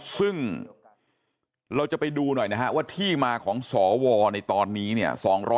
ซึ่งเราจะไปดูหน่อยนะฮะว่าที่มาของสวในตอนนี้เนี่ย